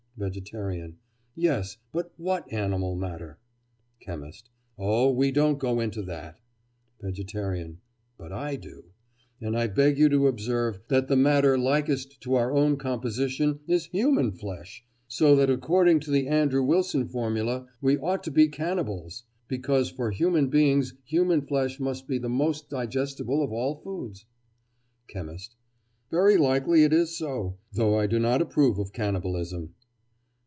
VEGETARIAN: Yes, but what animal matter? CHEMIST: Oh, we don't go into that. VEGETARIAN: But I do; and I beg you to observe that the "matter likest to our own composition" is human flesh, so that according to the Andrew Wilson formula, we all ought to be cannibals, because for human beings human flesh must be the most digestible of foods. CHEMIST: Very likely it is so, though I do not approve of cannibalism.